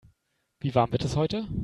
Wie warm wird es heute?